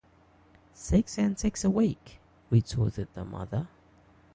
“Six and six a week,” retorted the mother.